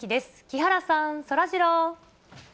木原さん、そらジロー。